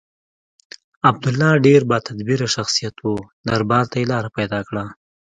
عبدالله ډېر با تدبیره شخصیت و دربار ته یې لاره پیدا کړه.